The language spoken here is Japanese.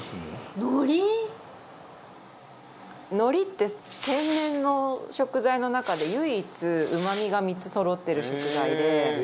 海苔って天然の食材の中で唯一うまみが３つそろってる食材で。